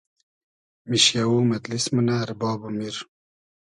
میشیۂ و مئدلیس مونۂ ارباب و میر